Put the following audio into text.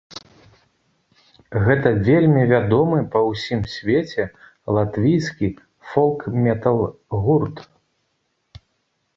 Гэта вельмі вядомы па ўсім свеце латвійскі фолк-метал-гурт.